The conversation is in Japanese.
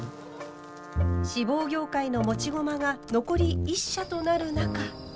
志望業界の持ち駒が残り１社となる中。